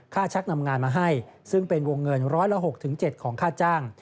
ชักนำงานมาให้ซึ่งเป็นวงเงินร้อยละ๖๗ของค่าจ้าง